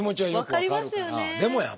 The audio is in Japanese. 分かりますよね。